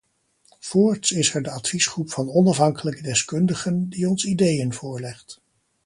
Voorts is er de adviesgroep van onafhankelijke deskundigen, die ons ideeën voorlegt.